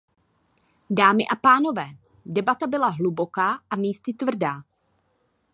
Dámy a pánové, debata byla hluboká a místy tvrdá.